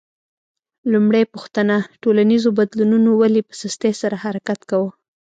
لومړۍ پوښتنه: ټولنیزو بدلونونو ولې په سستۍ سره حرکت کاوه؟